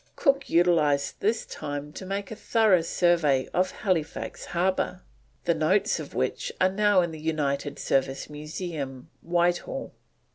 Cook utilised this time to make a thorough survey of Halifax Harbour, the notes of which are now in the United Service Museum, Whitehall.